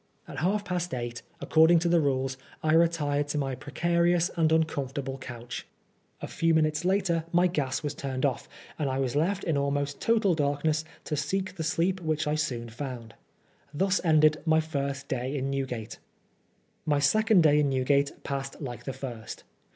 At half past eight, according to the rules, I retired to my precarious and uncomfortable couch ; a 94 PBISONEB FOR BLASPHEMY. few minntes later my gas was turned off, and I was left in almost total darkness to seek the sleep which I soon found. Thus ended my first day in Newgate. My second day in Newgate passed like the first.